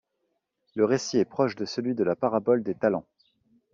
Le récit est proche de celui de la parabole des talents.